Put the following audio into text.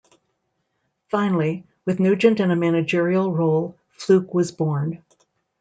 Finally, with Nugent in a managerial role, Fluke was born.